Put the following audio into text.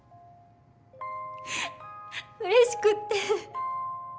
うれしくって。